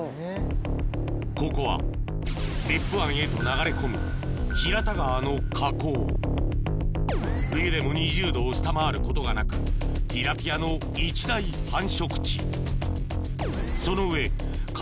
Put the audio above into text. ここは別府湾へと流れ込むの河口冬でも２０℃を下回ることがなくティラピアの一大繁殖地その上海